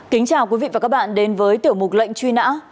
kính chào quý vị và các bạn đến với tiểu mục lệnh truy nã